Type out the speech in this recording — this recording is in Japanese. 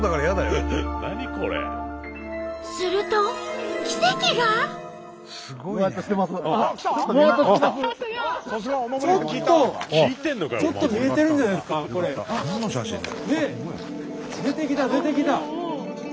すると出てきた出てきた。